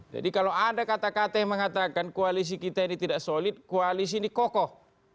jadi kalau ada kata kata yang mengatakan koalisi kita ini tidak solid koalisi ini kokoh